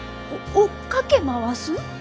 お追っかけ回す？